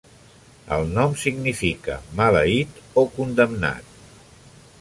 El nom significa "maleït" o "condemnat".